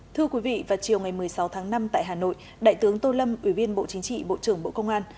thưa quý vị vào chiều ngày một mươi sáu tháng năm tại hà nội đại tướng tô lâm ủy viên bộ chính trị bộ trưởng bộ công an